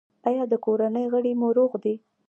ایا د کورنۍ غړي مو روغ دي؟